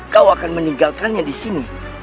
kau akan meninggalkannya di sini